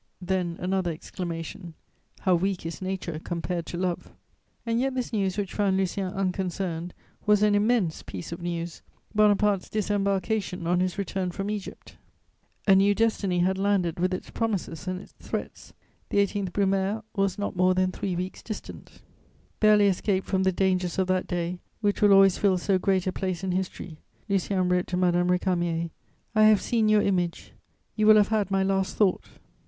'Then another exclamation: "'How weak is nature compared to love!' "And yet this news which found Lucien unconcerned was an immense piece of news: Bonaparte's disembarkation on his return from Egypt. "A new destiny had landed with its promises and its threats; the 18 Brumaire was not more than three weeks distant. "Barely escaped from the dangers of that day, which will always fill so great a place in history, Lucien wrote to Madame Récamier: "'I have seen your image!... You will have had my last thought!'...